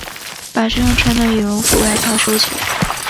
把身上穿的羽绒外套收起来